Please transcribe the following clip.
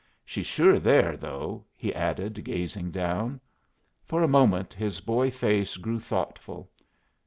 "She's sure there, though," he added, gazing down. For a moment his boy face grew thoughtful.